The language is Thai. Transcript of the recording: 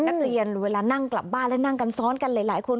นักเรียนเวลานั่งกลับบ้านแล้วนั่งกันซ้อนกันหลายคน